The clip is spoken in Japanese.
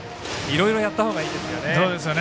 いろいろやったほうがいいですよね。